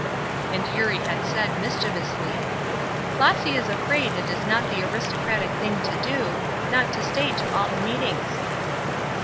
And Eurie had added, mischievously: "Flossy is afraid it is not the aristocratic thing to do, not to stay to all the meetings."